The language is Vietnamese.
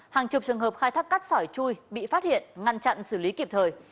hàng chục trường hợp khai thác cát sỏi chui bị phát hiện ngăn chặn xử lý kịp thời